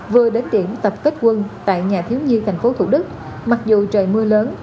vừa đến điểm tập kết quân tại nhà thiếu nhi thành phố thủ đức mặc dù trời mưa lớn